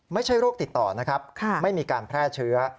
ไม่ใช่โรคติดต่อนะครับไม่มีการแพร่เชื้อ